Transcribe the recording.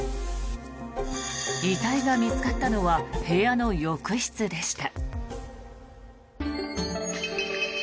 遺体が見つかったのは部屋の浴室でした。